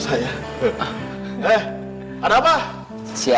tidak tidak tidak tidak tidak